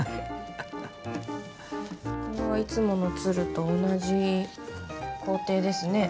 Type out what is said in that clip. これはいつもの鶴と同じ工程ですね。